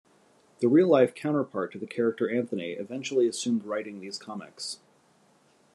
The real-life counterpart to the character Anthony eventually assumed writing these comics.